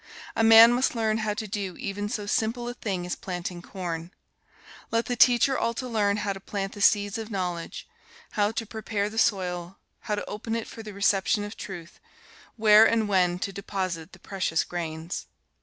A man must learn how to do even so simple a thing as planting corn. Let the teacher also learn how to plant the seeds of knowledge, how to prepare the soil, how to open it for the reception of truth, where and when to deposit the precious grains.